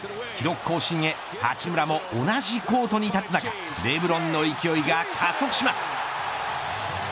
記録更新へ八村も同じコートに立つ中レブロンの勢いが加速します。